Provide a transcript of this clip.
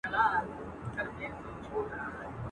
تر پاچا پوري عرض نه سو رسېدلای.